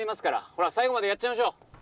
ほら最後までやっちゃいましょう。